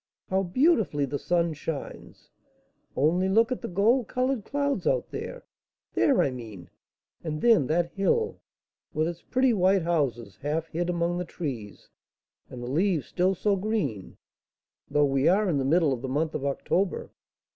How beautifully the sun shines! Only look at the gold coloured clouds out there there, I mean; and then that hill, with its pretty white houses half hid among the trees, and the leaves still so green, though we are in the middle of the month of October.